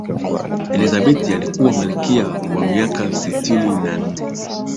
elizabeth alikuwa malkia kwa miaka sitini na nne